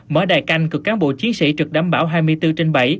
mở đài canh cực cán bộ chiến sĩ trực đảm bảo hai mươi bốn trên bảy